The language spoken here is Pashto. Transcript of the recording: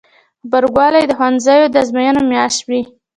غبرګولی د ښوونځیو د ازموینو میاشت وي.